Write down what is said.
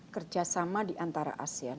kerja sama di antara asean